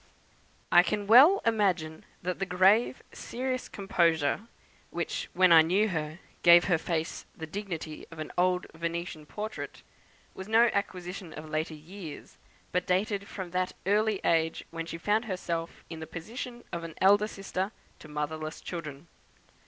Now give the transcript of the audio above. I can well imagine that the grave serious composure, which, when I knew her, gave her face the dignity of an old Venetian portrait, was no acquisition of later years, but dated from that early age when she found herself in the position of an elder sister to motherless children.